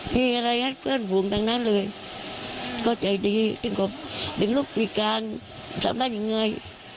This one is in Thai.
มีอะไรก็เพื่อนฝูงตรงนั้นเลยก็ใจดีถึงลูกปีการทำได้ยังไง